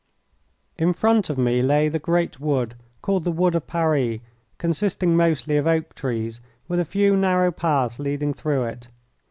In front of me lay the great wood, called the Wood of Paris, consisting mostly of oak trees, with a few narrow paths leading through it.